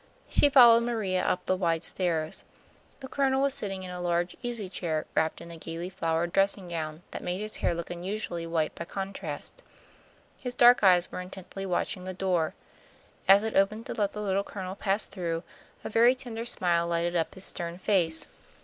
She followed Maria up the wide stairs. The Colonel was sitting in a large easy chair, wrapped in a gaily flowered dressing gown, that made his hair look unusually white by contrast. His dark eyes were intently watching the door. As it opened to let the Little Colonel pass through, a very tender smile lighted up his stern face.